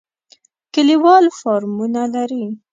کلیوال فارمونه لري.